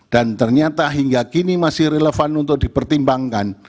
dan ternyata hingga kini masih relevan untuk dipertimbangkan